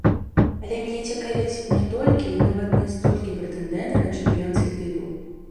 Але мяне цікавяць не толькі і нават не столькі прэтэндэнты на чэмпіёнскі тытул.